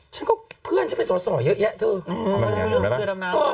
ฉันก็เพื่อนจะไปสอดส่อเยอะแยะเถอะ